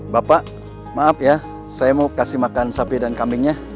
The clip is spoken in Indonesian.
bapak maaf ya saya mau kasih makan sapi dan kambingnya